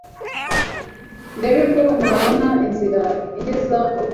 ndebe ko nabona inzira ingeza mu rugo